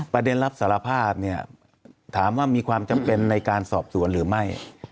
รับสารภาพเนี่ยถามว่ามีความจำเป็นในการสอบสวนหรือไม่